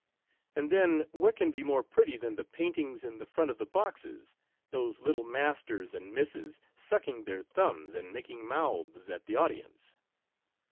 And then, what can be more pretty than the paintings in the front of the boxes, those little masters and misses suck ing their thumbs, and making mouths at the audience?"